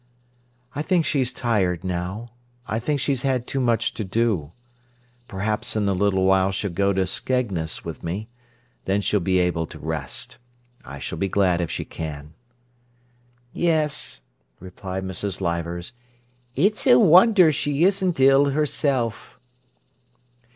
"I think she's tired now. I think she's had too much to do. Perhaps in a little while she'll go to Skegness with me. Then she'll be able to rest. I s'll be glad if she can." "Yes," replied Mrs. Leivers. "It's a wonder she isn't ill herself."